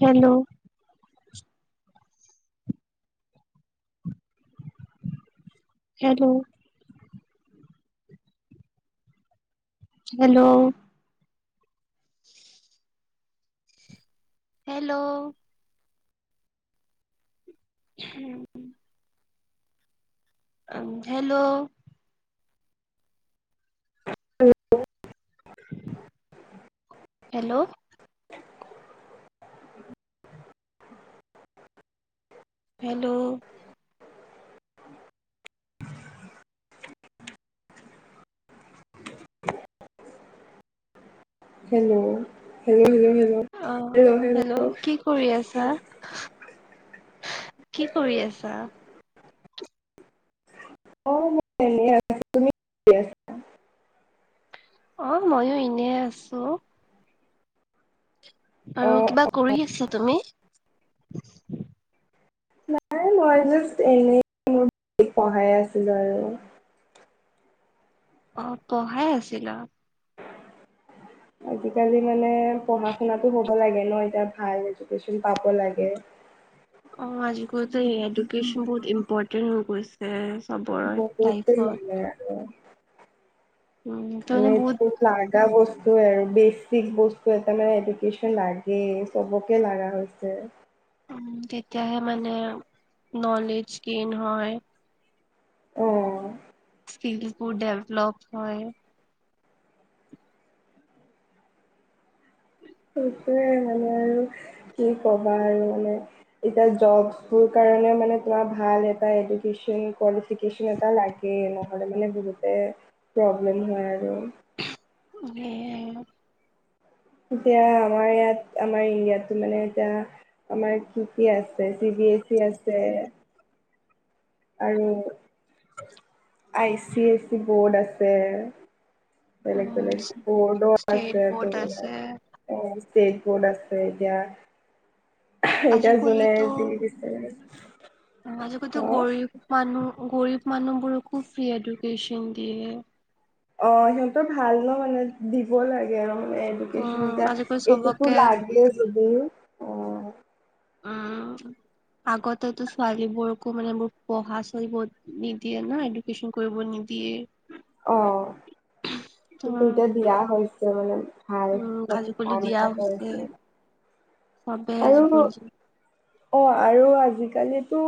Hello. Hello. Hello. Hello. হেহ। উম, hello. [inaudible] Hello. Hello. Hello. Hello, hello, hello. অ hello hello. কৰি আছা, কি কৰি আছা? অ' এনেই আছোঁ। অ', ময়ো ইনেই আছোঁ। অ আৰু কিবা কৰি আছা তুমি? নাই মই জাষ্ট এনেই [unintelligible] পঢ়াই আছিলো আৰু। অ', পঢ়াই আছিলা? আজিকালি মানে পঢ়া শুনাটো হ' হ'ব লাগে ন, এতিয়া ভাল এজুকেশন পাব লাগে। অ', আজি [unintelligible] এজুকেচন বহুত ইম্পৰ্টেণ্ট হৈ গৈছে। এ চবৰেই বহুতে লাইফত। লাগে আৰু উম তাৰমানে বহুত [unintelligible] লাগা বস্তুৱেই আৰু, বেচিক বস্তু এটা মানে, এডুকেচন লাগে। চ'বকেই লাগা হৈছে। উম, তেতিয়াহে মানে নলেজ গেইন হয় অ'। স্কিলবোৰ ডেভলপ হয় হয়। সেইটোৱে মানে আৰু কি কবা আৰু মানে। এতিয়া য'ব টোৰ কাৰণে মানে তোমাৰ ভাল এটা এডুকেশ্বন কুৱালিফিকেশ্বন এটা লাগে। এ নহ'লে মানে বহুতে প্ৰব্লেম হয় আৰু। উহঃ মানে এতিয়া, আমাৰ ইয়াত আমাৰ ইয়াতো মানে এতিয়া আমাৰ কি কি আছে, চি বি এছ ই আছে আৰু আই চি এই চি বৰ্ড আছে। বেলেগ উম বেলেগ বৰ্ডটো ষ্টেট আছে বৰ্ড আছে ত'। অ' ষ্টেক বৰ্ড আছে এতিয়া। এতিয়া যোনে আজিকালিতো যি দিছে আজিকালিটো গৰীব মানুহ, গৰীব মানুহবোৰকো ফ্ৰী এডুকেশচন দিয়ে। অ' সিহঁতৰ ভাল ন' মানে, দিব লাগে আৰু মানে এডুকেশ্বন উম এটা, আজিকালি এইটোতো চবকে লাগে যদিও অ উম। আগতেটো ছোৱালীবোৰকো মানে মোৰ পঢ়া চহা কৰিব নিদিয়ে ন', এডুকেশচন কৰিব নিদিয়ে উম। অ' কিন্তু এতিয়া দিয়া হৈছে মানে। ভাল উম প্ৰতিপালন এটা কৰিছোঁ। বাবে আজি কৰিছোঁ। অ' আৰু আজিকালি টো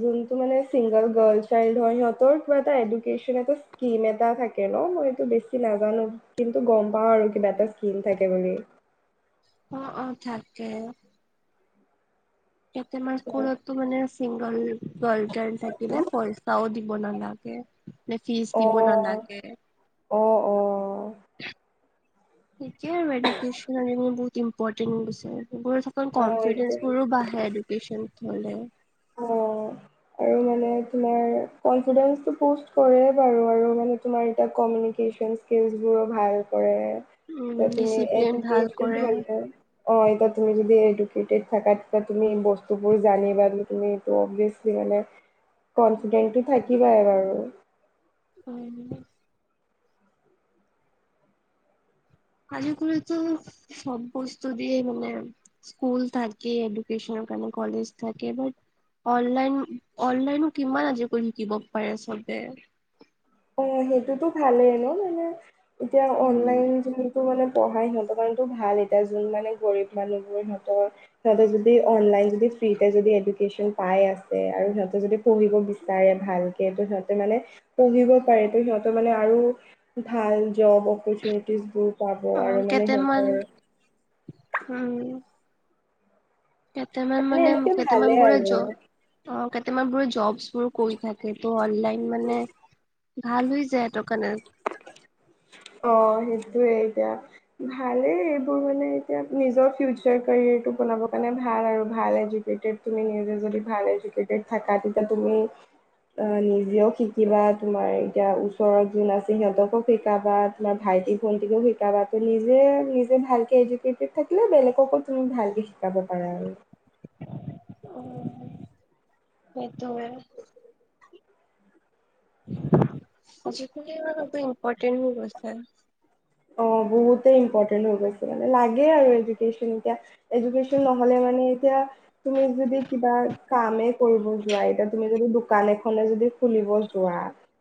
যোনটো মানে চিংগল গাৰ্ল চাইল হয় সিহঁতৰ, পোৱা এটা এডু কেশ্বন টো স্কীম এটা থাকে ন' মইতটো বেছি নাজানো। কিন্তু গম পাওঁ আৰু কিবা এটা স্কীম থাকে বুলি। অ', অ' থাকে। কেইটামান স্কুলটো মানে চিংগল গাৰ্ল চাইল থাকিলে, পইচাও দি দিব নালাগে, নে ফিছ অ দিব নালাগে। অ', অ'। ঠিকে আৰু এডুকেশ্বনে আনিবলৈ বহুত ইম্পৰ্টেট দিছে, এইবোৰ চব অকণ অ এতিয়া কনফিডেন্ঞ্চবোৰো বাঢ়ে এডুকেশ্যন হ'লে। অ', আৰু মানে তোমাৰ কনফিডেন্স পিশ কৰে বাৰু আৰু মানে তোমাৰ এতিয়া কমিউনিকেশ্যন স্কিলচবোৰো ভাল কৰে উম বা তুমি ডিচিপ্লিন এইটো কি ভাল আছিল কৰে [inaudible] অ' এতিয়া তুমি যদি এডুকেটেড থাকা, তেতিয়া তুমি বস্তুবোৰ জানিবা তুমি‌ এইটো অভিয়েচলি মানে কনফিডেন্টো থাকিবই বাৰু হয় নেকি? আজিকালিটো চব বস্তু দিয়ে মানে স্কুল থাকে এডুকেশ্বনৰ কাৰণে, কলেজ থাকে বাত অনলাইন, অনলাইনো কিমান আজিৰ পোৱালি শিকিব পাৰে চবে অ' সেইটোতো ভালেই ন' মানে এতিয়া উম অনলাইন যে ত' মানে পঢ়াই সিহঁতৰ কাৰণটো ভাল এতিয়া। যোন মানে গৰীব মানুহবোৰ সিহঁতৰ ইফালে যদি অনলাইন যদি ফ্ৰীটে যদি এডুকেশ্বন পাই আছে আৰু সিহঁতে যদি পঢ়িব বিচাৰে ভালকে, ত' সিহঁতে মানে পঢ়িব পাৰে টো সিহঁতৰ মানে আৰু, ভাল জব অপৰচুনিটিচ বোৰ। পাব অ আৰু মানে কেইটামান সিহঁতৰ- উম। কেইটামান মানে এনেকে ভালে কেইটামান বোৰে আৰু। জব অ কেইটাবোৰে জবচ্ বোৰ কৰি থাকে ত অনলাইন মানে- ভাল হৈ যায় সেইটো কাৰণে। অ সেইটোয়ে এতিয়া। ভালেই এইবোৰ মানে এতিয়া নিজৰ ফিউচাৰ কেৰিয়াৰটো বনাবৰ কাৰণে ভাল আৰু ভাল এডকেটেড- তুমি নিজে যদি ভাল এডকেটেড থাকা তেতিয়া তুমি- অ নিজেও শিকিবা তোমাৰ এতিয়া ওচৰত যোন আছে সিহঁতকো শিকাবা- বা তোমাৰ ভাইটি ভন্টিকো শিকাবা তুমি নিজে নিজে ভালকে এডকেতেদ থাকি লে বেলেগকো তুমি ভালকে শিকাব পাৰা আৰু। উম, সেইটো। আজি কালি ইমান এইটো ইম্পৰ্টেন্ট হৈ গৈছে। অ বহুতেই ইম্পৰ্টেণ্ট হৈ গৈছে মানে লাগে আৰু এডুকেশ্বন এতিয়া। এডুকেশ্বন নহ'লে মানে এতিয়া তুমি যদি কিবা কামে কৰিব যোৱা এতিয়া তুমি- যদি দোকান এখনে যদি খুলিব যোৱা।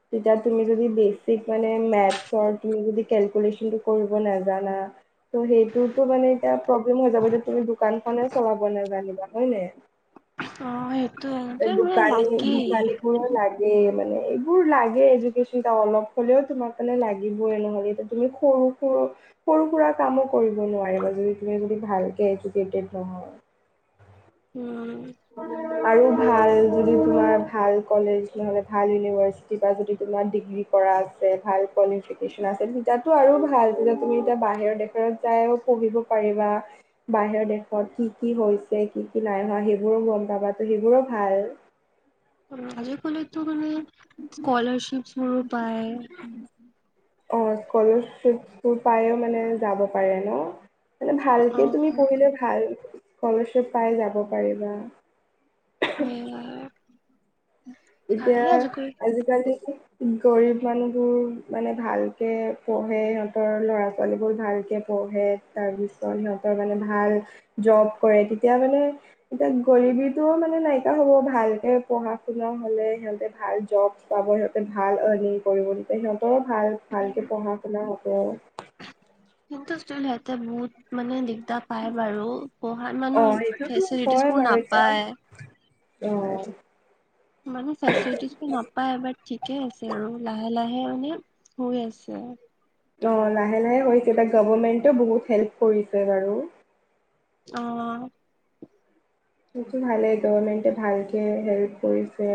তেতিয়া তুমি যদি বেচিক মানে মেত্চৰ তুমি যদি কেলকুলেচন- কিন্তু কৰিব নেজানা ত' সেইটোতো মানে- এতিয়া প্ৰব্লেম হৈ যাব যদি তুমি দোকানখনে চলাব নেজানিবা হয় নে। অ সেইটোয়ে এই তাৰ মানে দোকানী লাগেই। দোকানীবোৰৰ- লাগেই মানে এইবোৰ লাগে এডুকেশ্বন এটা অলপ হ'লেও তোমাৰ ফালে লাগিবই এ নহ'লে এতিয়া তুমি- সৰু সুৰা - সৰু সুৰা কামো কৰিব নোৱাৰিবা যদি তুমি যদি ভালকে এডুকেটেড নহয়। উম। আৰু ভাল যদি তোমাৰ ভাল কলেজ নহ'লে ভাল ইউনিভাৰ্চিটি বা যদি তোমাৰ ডিগ্ৰী- কৰা আছে ভাল কোৱালিফিকেচন আছে তেতিয়াতো আৰু ভাল যেতিয়া তুমি এতিয়া বাহিৰৰ দেশত যায়ো পঢ়িব- পাৰিবা বাহিৰৰ দেশত কি কি হৈছে কি কি নাই হোৱা সেইবোৰ- সেইবোৰো গম পাবা তো সেইবোৰো ভাল। আজি কালিতো মানে, স্কলাৰশ্বিপবোৰো পায়। অ স্কলাৰশ্বিপবোৰ পাই মানে যাব পাৰে ন। মানে অ ভালকে তুমি পঢ়িলে ভাল স্কলাৰশ্বিপ পাই যাব পাৰিবা। উম। এতিয়া আজিকালি- গৰীব মানুহবোৰ মানে ভালকে পঢ়ে সিহঁতৰ ল'ৰা ছোৱালীবোৰ ভালকে পঢ়ে। তাৰপিছত সিহঁতৰ মানে ভাল জব কৰে তেতিয়া মানে- এতিয়া গৰবীটো মানে নাইকিয়া হ'ব ভালকে পঢ়া শুনা- নহ'লে সিহঁতে ভাল জব পাব সিহঁতে ভাল আৰ্নিং কৰিব তেতিয়া সিহঁতৰো ভাল - ভালকে পঢ়া শুনা হ'ব। কিন্তু চোন সিহঁতে বহুত মানে দিগদাৰ- পাই বাৰু পঢ়াত অ মানুহ সেইটোতো ফেচেলিটিজ হয় বোৰ বাৰু এতিয়া নাপায়। অ। মানে ফেচেলিটিজ নাপায় এবাৰ ঠিকে আছে আৰু লাহে লাহে মানে- হৈ আছে। অ লাহে লাহে হৈছে আৰু গভৰোমেন্টেও বহুত হেল্প কৰিছে বাৰু। অ সেইটো ভালেই গভমেণ্টে ভালকে হেল্প কৰিছে।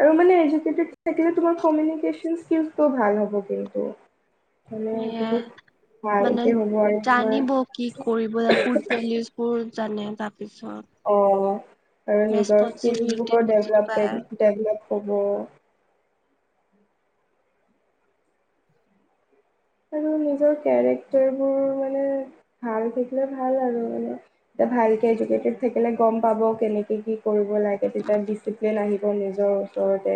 আৰু মানে এ থাকিলে [inaudible] স্টো ভাল হব কিন্তু মানে এ বহুত মানে ভালকে হ'ব আৰু তোমাৰ জানিব কি কৰিব পলিচ বোৰ জানে তাৰপিছত অ আৰু নিজৰ ৰেচপনচিবিলিটি স্কিলোৰ বুজি ডভপে পায় ডেভলপ হ'ব আৰু নিজৰ কেৰেক্টাৰ বোৰ মানে ভাল থাকিলে ভাল আৰু মানে এতিয়া ভালকে এডুকেটেড থাকিলে গম পাব কেনেকে কি কৰিব লাগে তেতিয়া ডিচিপ্লিন আহিব নিজৰ ওচৰতে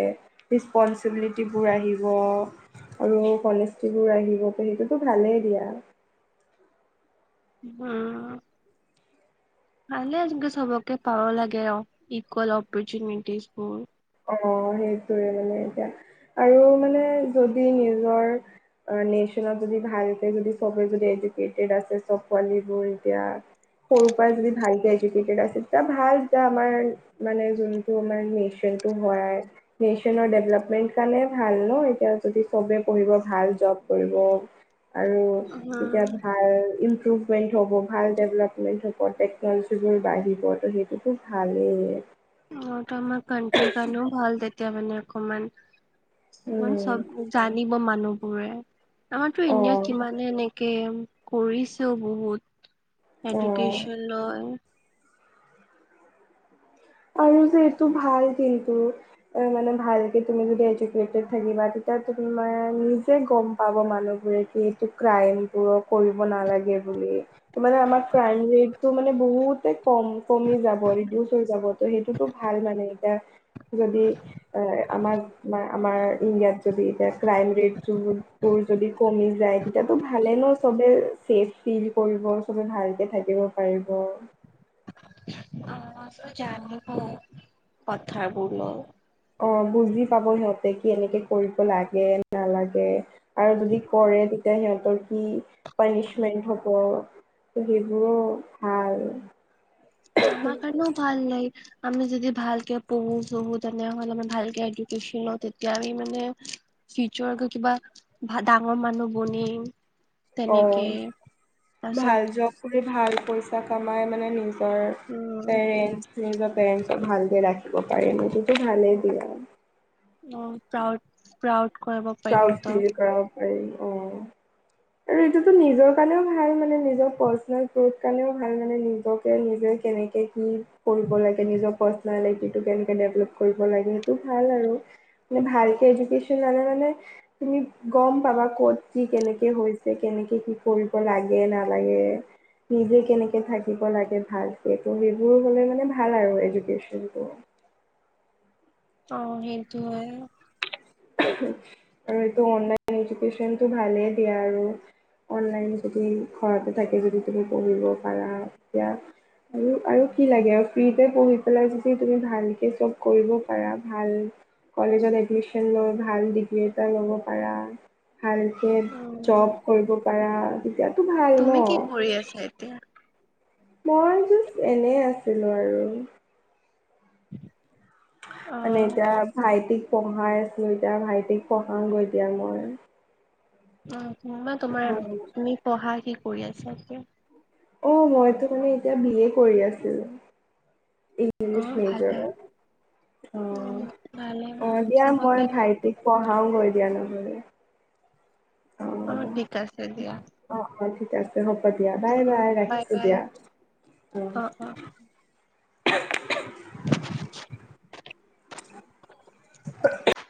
ৰিচপনঞ্চিবিলিটিবোৰ আহিব। আৰু কলেজিবোৰ আহিব প সেইটোতো ভালেই দিয়া। হম ভালে যোনতো সবকে পাব লাগে অ ইকুৱেল অপৰচুনিটিছ বোৰ অ সেইটোৱে মানে এতিয়া আৰু মানে যদি নিজৰ নেশ্যনত যদি ভালকে যদি সবে যদি এডকেটেড আছে চব পোৱালীবোৰ এতিয়া সৰুৰ পৰা যদি ভালক এডকেটেড আছে তে ভাল এ আমাৰ মানে যোনটো আমাৰ নচ যন্তটো হয় নেশচনৰ ডেভলপমেন্ট কাৰণে ভাল ন এতিয়া যদি চবে পঢ়িব ভাল জব কৰিব আৰু উম তেতিয়া ভাল ইম্প্ৰুভ প্ৰভমেণ্ট হ'ব ভাল ডেভেলপমেণ্ট হ'ব টেকন'লজিবোৰ বাঢ়িব তো সেইটোতো ভালেই। অত আমাৰ কানট্ৰীৰ কাৰণেও ভাল তেতিয়া মানে অকমান উম চব জানিব মানুহবোৰে আমাৰতো ইণ্ডিয়াত অ কিমানে এনেকে কৰিছেও বহুত অ' এডুকেশচন লয়। আৰু যে এইটো ভাল কিন্তু মানে ভালকৈ তুমি যদি এডুকেটেড থাকিবা তেতিয়া তোমাৰ নিজে গম পাব মানুহবোৰে এইটো ক্ৰাইম বোৰ কৰিব নালাগে বুলি মানে আমাৰ ক্ৰাইম ৰেটটো মানে বহুতে কম কমি যাব ৰিডিউচ হৈ যাব ত সেইটোতো ভাল মানে এতিয়া যদি আহ আমাৰ ম আমাৰ ইণ্ডিয়াত যদি এতিয়া ক্ৰাইমৰেট য তোৰ যদি কমি যায় তেতিয়াতো ভালে ন চবে ছেফ ফিল কৰিব চবে ভালকে থাকিব। পাৰিব জানিব কথা বোৰ ন অ বুজি পাব সিহঁতে কি এনেকে কৰিব লাগে নালাগে। আৰু যদি কৰে তেতিয়া সিহঁতৰ কি পানিচমেণ্ট হ'ব। সেইবোৰও ভাল আমাৰ কাৰণেও ভাল নাই আমি যদি ভালকে পঢ়ো চঢ়ো তেনেহলে ভালক এডন ল তেতিয়া আমি মানে ফিউচাৰ কিবা ডাঙৰ মানুহ বনিম। অ তেনেকে পাছত ভাল জব কৰি ভাল পইচা কামাই মানে নিজৰ উম পেৰেণ্ট নিজৰ পেৰেণ্টছক ভালকে ৰাখিব পাৰি সেইটো ভালেই দিয়া। অ প্ৰাউড প্ৰাউড কৰিব। পাৰিম পৰাউণ্ড সিহঁতক ফিল কৰাব পাৰিম অ আৰু এইটোতো নিজৰ কাৰণেও ভাল মানে নিজৰ পাৰ্চনেল গ্ৰোথ কাৰণেও ভাল মানে নিজক নিজে কেনেকৈ কি কৰিব লাগে নিজৰ পাৰ্চনেলিটিটো কেনেকৈ ডেভেলপ। কৰিব লাগে সেইটো ভাল আৰু মানে ভালকে এডুকেশ্যন আনে মানে। তুমি গম পাবা ক'ত কি কেনেকে হৈছে, কেনেকে কি কৰিব লাগে নালাগে। নিজে কেনেকে থাকিব লাগে ভাল সেইটো, সেইবোৰ হ'লে মানে ভাল আৰু এডুকেশ্যন বোৰ। অ', সেইটো হয়। আৰু এইটো অনলাইন এডুকেশ্যনতটো ভালেই দিয়া আৰু। অনলাইন যদি ঘৰতে থাকি যদি তুমি পঢ়িব পাৰা, তেতিয়া আৰু আৰু কি লাগে আৰু ফ্ৰীতে পঢ়ি পেলাই যদি তুমি ভালকে চব কৰিব পাৰা ভাল কলেজত এডমিশন ল'ম। ভাল ডিগ্ৰী এটা ল'ব পাৰা, ভালকে উম জব কৰিব পাৰা। তেতিয়াতো ভাল ন তুমি কি কৰি আছা এতিয়া? মই জাষ্ট এনেই আছিলোঁ আৰু। [unintelligible] অ মানে এতিয়া ভাইটিক পঢ়াই আছোঁ, এতিয়া ভাইটিক পঢ়াওঁগৈ এতিয়া মই। উম, [unintelligible] তোমাৰ হয় তুমি পঢ়া কি কৰি আছা এতিয়া? অ', মইতো মানে এতিয়া বি এ কৰি আছো। ইং অ লীছ মেজৰৰ। ভালে উম অ', ভালে অ', দিয়া চবকে মই ভাইটিক পঢ়াওংগৈ দিয়া নহ'লে। অ', ঠিক আছে দিয়া। অ', অ', ঠিক আছে হ'ব দিয়া। বাই উম উম বাই ৰাখিছোঁ বাই দিয়া, অ'। [inaudible] [inaudible] [inaudible]